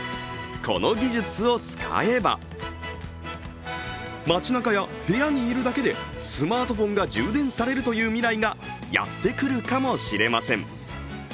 この技術を使えば、街なかや部屋にいるだけでスマートフォンが充電されるという未来がやってくるかもしれません。